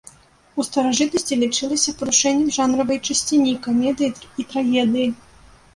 У старажытнасці лічылася парушэннем жанравай чысціні камедыі і трагедыі.